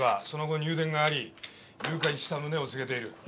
その後入電があり誘拐した旨を告げている。